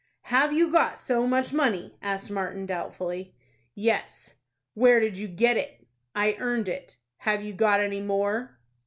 "Have you got so much money?" asked Martin, doubtfully. "Yes." "Where did you get it?" "I earned it." "Have you got any more?"